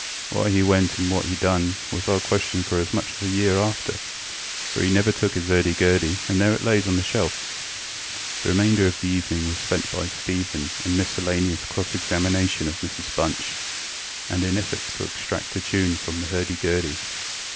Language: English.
Why he went and what he done was our question for as much as a year after; for he never took his ŌĆÖurdy gurdy, and there it lays on the shelf. ŌĆØ The remainder of the evening was spent by Stephen in miscellaneous cross examination of Mrs Bunch and in efforts to extract a tune from the hurdy gurdy.